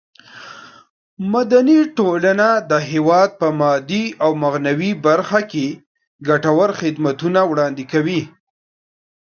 مدني ټولنه د هېواد په مادي او معنوي برخه کې ګټور خدمتونه وړاندې کوي.